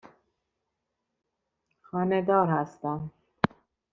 خانه دار هستم.